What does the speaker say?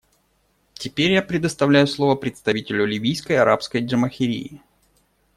Теперь я предоставляю слово представителю Ливийской Арабской Джамахирии.